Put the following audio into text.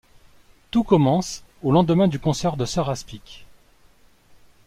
Tout commence au lendemain du concert de Sir Aspic.